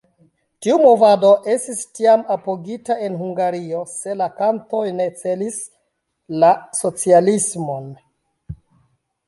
Tiu movado estis tiam apogita en Hungario, se la kantoj ne celis la socialismon.